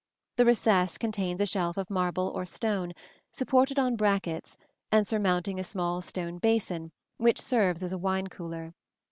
The recess contains a shelf of marble or stone, supported on brackets and surmounting a small stone basin which serves as a wine cooler.